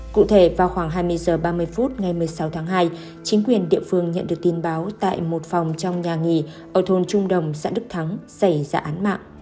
cụ thể vào khoảng hai mươi h ba mươi phút ngày một mươi sáu tháng hai chính quyền địa phương nhận được tin báo tại một phòng trong nhà nghỉ ở thôn trung đồng xã đức thắng xảy ra án mạng